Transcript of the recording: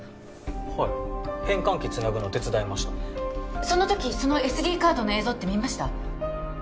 はい変換器つなぐの手伝いましたそのときそのＳＤカードの映像って見ました？